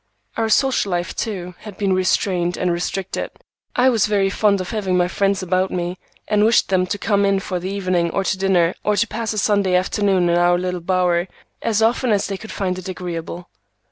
Our social life, too, had been restrained and restricted. I was very fond of having my friends about me, and wished them to come in for the evening or to dinner or to pass a Sunday afternoon in our little bower, as often as they could find it agreeable.